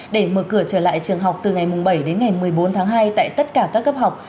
để mở cửa trở lại trường học từ ngày bảy đến ngày một mươi bốn tháng hai tại tất cả các cấp học